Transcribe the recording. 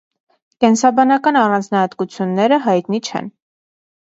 Կենսաբանական առանձնահատկություններերը հայտնի չեն։